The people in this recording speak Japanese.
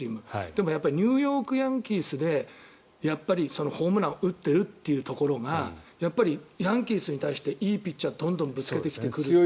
でもニューヨーク・ヤンキースでホームランを打っているというところがヤンキースに対していいピッチャーをどんどんぶつけてくるし。